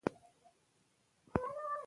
سانتیاګو د مصر اهرامونو ته رسیږي.